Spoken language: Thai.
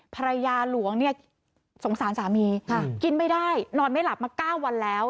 ภรรยาหลวงเนี่ยสงสารสามีกินไม่ได้นอนไม่หลับมา๙วันแล้ว